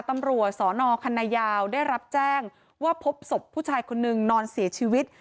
ตำรวจสนคันนายาวได้รับแจ้งว่าพบศพผู้ชายคนนึงนอนเสียชีวิต